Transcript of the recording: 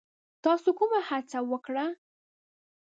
تاسو کومه هڅه وکړه؟